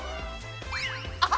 あ！